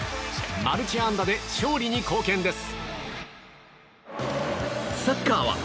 マルチ安打で勝利に貢献です。